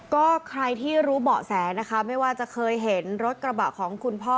ก็ใครที่รู้เบาะแสนะคะไม่ว่าจะเคยเห็นรถกระบะของคุณพ่อ